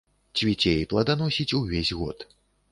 Цвіце і пладаносіць увесь год.